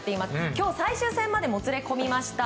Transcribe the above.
今日最終戦までもつれ込みました。